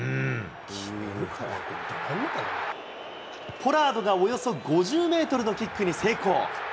ポラードがおよそ５０メートルのキックに成功。